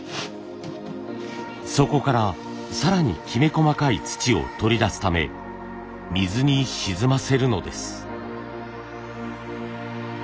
そこから更にキメ細かい土を取り出すため水に沈ませるのです。